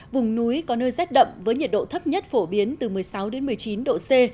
vùng núi có nơi rét đậm với nhiệt độ thấp nhất phổ biến từ một mươi sáu một mươi chín độ c